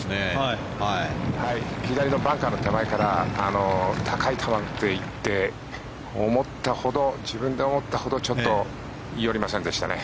左のバンカーの手前から高い球で行って自分で思ったほどちょっと寄りませんでしたね。